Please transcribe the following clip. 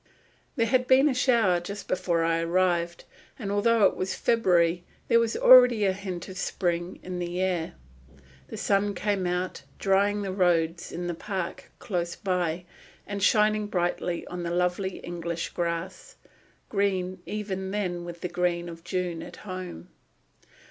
There had been a shower just before I arrived; and, although it was February, there was already a hint of spring in the air. The sun came out, drying the roads in the park close by, and shining brightly on the lovely English grass, green even then with the green of June at home.